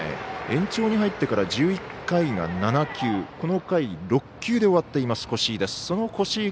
延長に入ってから１１回が７球この回、６球で終っています越井。